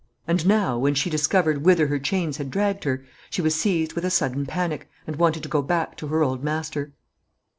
And now, when she discovered whither her chains had dragged her, she was seized with a sudden panic, and wanted to go back to her old master.